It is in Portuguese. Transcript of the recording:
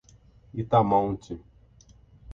Itamonte